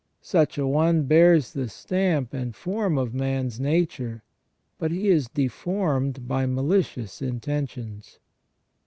Such a one bears the stamp and form of man's nature, but he is deformed by malicious intentions.